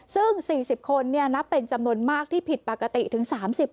ซึ่ง๔๐คนนับเป็นจำนวนมากที่ผิดปกติถึง๓๐คน